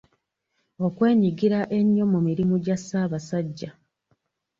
Okwenyigira ennyo mu mirimu gya Ssabasajja.